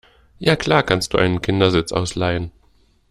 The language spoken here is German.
ja klar, kannst du einen Kindersitz ausleihen.